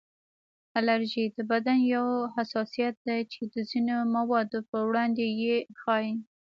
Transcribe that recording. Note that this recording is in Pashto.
الرژي د بدن یو حساسیت دی چې د ځینو موادو پر وړاندې یې ښیي